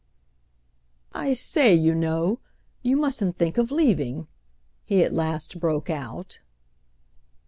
"I say, you know, you mustn't think of leaving!" he at last broke out.